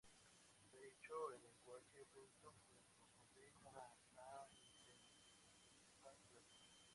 Está hecho en lenguaje Python, junto con Glade para la interface gráfica.